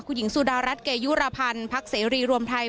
คุณหญิงสุดารัฐเกยุรพันธ์พักเสรีรวมไทย